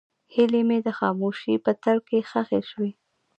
هیلې مې د خاموشۍ په تل کې ښخې شوې.